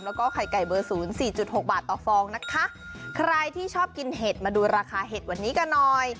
แล้วก็ไข่ไก่เบอร์ศูนย์สี่จุดหกบาทต่อฟองนะคะใครที่ชอบกินเห็ดมาดูราคาเห็ดวันนี้กันหน่อย